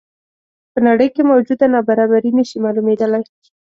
په نړۍ کې موجوده نابرابري نه شي معلومېدلی.